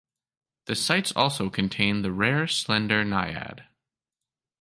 The sites also contain the rare slender naiad.